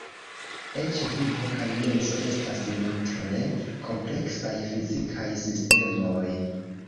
Eĉ vivo kaj menso estas nur tre kompleksaj fizikaj sistemoj.